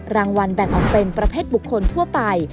รางวัลแบ่งออกเป็นประเภทบุคคลทั่วไป